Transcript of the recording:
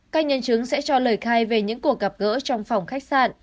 các nhân chứng sẽ cho lời khai về những cuộc gặp gỡ trong phòng khách sạn